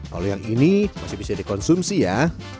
kalau yang ini masih bisa dikonsumsi ya